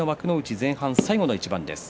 前半最後の一番です。